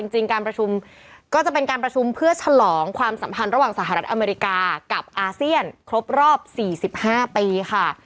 จริงการประชุมก็จะเป็นการประชุมเพื่อฉลองความสัมพันธ์ระหว่างสหรัฐอเมริกากับอาเซียนครบรอบ๔๕ปีค่ะ